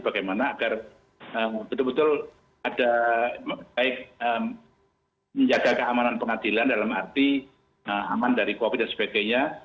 bagaimana agar betul betul ada baik menjaga keamanan pengadilan dalam arti aman dari covid dan sebagainya